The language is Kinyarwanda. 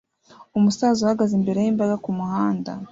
Umu saza uhagaze imbere yimbaga kumuhanda